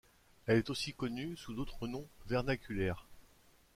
Elle est aussi connue sous d'autres noms vernaculaires.